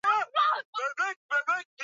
Wafika huko chini?